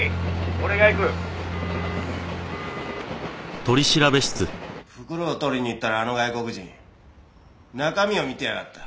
俺が行く」「」袋を取りに行ったらあの外国人中身を見てやがった。